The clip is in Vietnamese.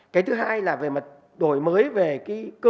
cái thứ hai là về mặt đổi mới về cái cơ sở